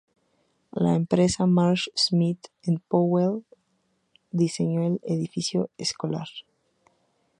La empresa Marsh, Smith and Powell diseñó el edificio escolar.